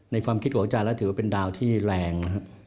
ความคิดของอาจารย์แล้วถือว่าเป็นดาวที่แรง